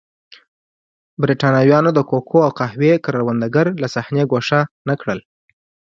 برېټانویانو د کوکو او قهوې کروندګر له صحنې ګوښه نه کړل.